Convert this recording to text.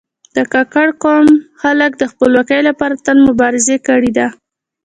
د کاکړ قوم خلک د خپلواکي لپاره تل مبارزه کړې ده.